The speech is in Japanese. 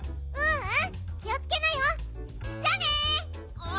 うん。